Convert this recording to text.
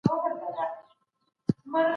ايا اګوست کنت فرانسوی و؟